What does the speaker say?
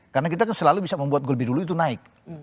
karena kita selalu bisa membuat gol lebih dulu itu naik